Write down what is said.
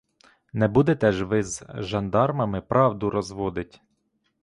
Не будете ж ви з жандармами правду розводить?